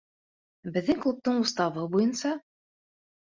Беҙҙең клубтың уставы буйынса...